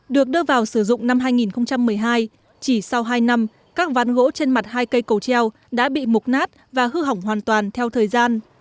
được đưa vào sử dụng năm hai nghìn một mươi hai chỉ sau hai năm các ván gỗ trên mặt hai cây cầu treo đã bị mục nát và hư hỏng hoàn toàn theo thời gian